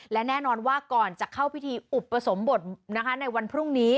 และแน่นอนว่าก่อนจะเข้าพิธีอุปสมบทในวันพรุ่งนี้